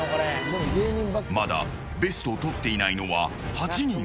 まだベストをとっていないのは８人。